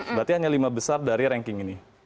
berarti hanya lima besar dari ranking ini